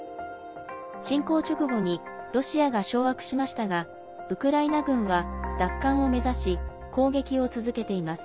侵攻直後にロシアが掌握しましたがウクライナ軍は奪還を目指し攻撃を続けています。